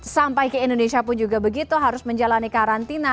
sampai ke indonesia pun juga begitu harus menjalani karantina